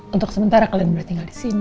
untuk sementara kalian boleh tinggal disini